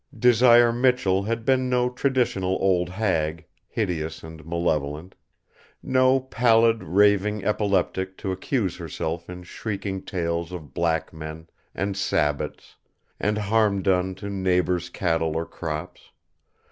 Desire Michell had been no traditional old hag, hideous and malevolent; no pallid, raving epileptic to accuse herself in shrieking tales of Black Men, and Sabbats, and harm done to neighbors' cattle or crops.